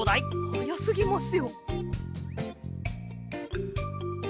はやすぎますよ。